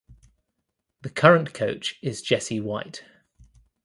The current coach is Jesse White.